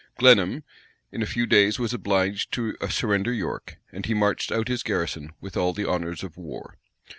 Glenham, in a few days, was obliged to surrender York; and he marched out his garrison with all the honors of war.